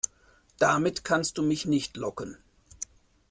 Damit kannst du mich nicht locken.